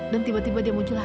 dan tiba tiba dia muncul lagi